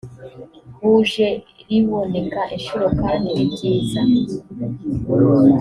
buje riboneka incuro kandi nibyiza